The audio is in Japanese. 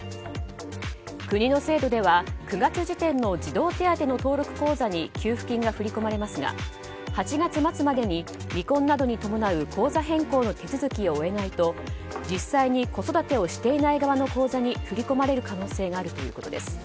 国の制度では９月時点の児童手当の登録口座に給付金が振り込まれますが８月末までに離婚などに伴う口座変更の手続きを終えないと実際に子育てをしていない側の口座に振り込まれる可能性があるということです。